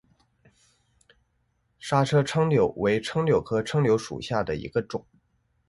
莎车柽柳为柽柳科柽柳属下的一个种。